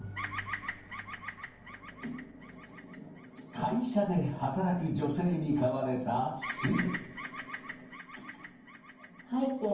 会社で働く女性に買われたすず。